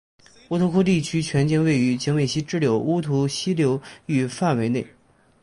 乌涂窟地区全境位于景美溪支流乌涂溪流域范围内。